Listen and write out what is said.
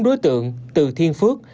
bốn đối tượng từ thiên phước